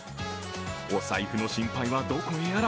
お財布の心配はどこへやら。